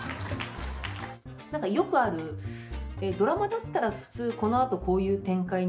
何かよくある「ドラマだったら普通このあとこういう展開に行くよね」